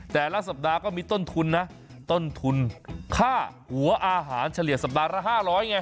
แต่ละสัปดาห์ก็มีต้นทุนนะต้นทุนค่าหัวอาหารเฉลี่ยสัปดาห์ละ๕๐๐ไง